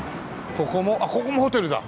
ここもあっここもホテルだ。